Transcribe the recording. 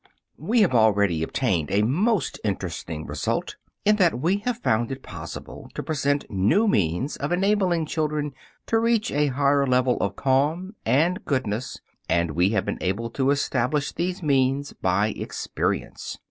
We have already obtained a most interesting result, in that we have found it possible to present new means of enabling children to reach a higher level of calm and goodness, and we have been able to establish these means by experience.